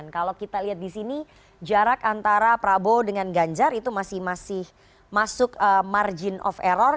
kalau kita lihat di sini jarak antara prabowo dengan ganjar itu masih masuk margin of error